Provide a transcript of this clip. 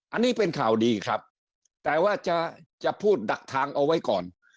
อันนี้เป็นข่าวดีครับแต่ว่าจะพูดดักทางเอาไว้ก่อน